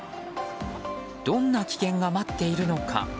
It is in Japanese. どんな危険が待っているのか。